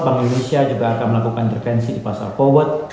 bank indonesia juga akan melakukan intervensi di pasar forward